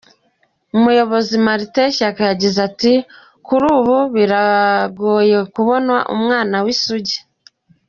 Uyu muyobozi Martin Shaka yagize ati”kuri ubu biragoyekubona umwana w’isugi.